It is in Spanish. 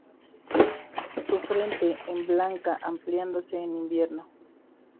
Su frente en blanca, ampliándose en invierno.